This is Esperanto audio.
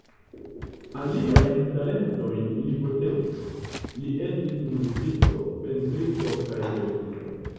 Aliajn talentojn li posedis: li estis muzikisto, pentristo kaj verkisto.